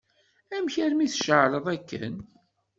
Amek armi tceεleḍ akken?